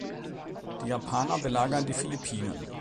Die Japaner belagern die Philippinen.